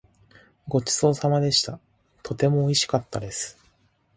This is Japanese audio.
ごちそうさまでした。とてもおいしかったです。